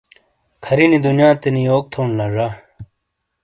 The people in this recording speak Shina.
کھِر ینی دنیاتینی یوک تھون لا ڙا